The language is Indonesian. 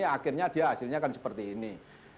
akhirnya dia hasilnya akan seperti ini